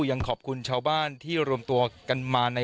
หลังจากผู้ชมไปฟังเสียงแม่น้องชมไป